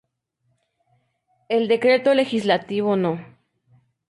El decreto legislativo No.